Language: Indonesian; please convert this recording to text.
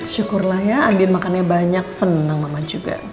syukurlah ya adin makannya banyak senang mama juga